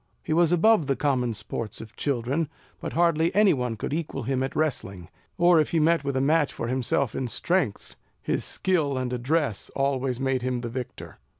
He was above the common sports of children; but hardly any one could equal him at wrestling; or, if he met with a match for himself in strength, his skill and address always made him the victor.